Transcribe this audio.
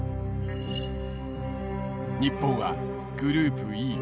日本はグループＥ。